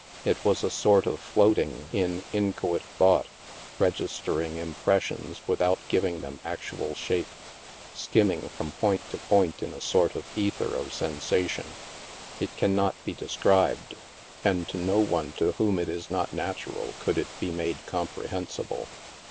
It was a sort of floating in inchoate thought, registering impres sions without giving them actual shape, skimming from point to point in a sort of ether of sensation. It can not be described, and to no one to whom it is not natural could it be made comprehensible.